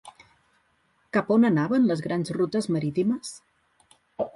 Cap on anaven les grans rutes marítimes?